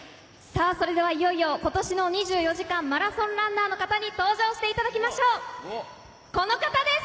いよいよことしの２４時間マラソンランナーの方に登場していただきましょう、この方です！